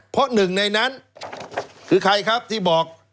เพราะหนึ่งในนั้นคือใครครับที่บอก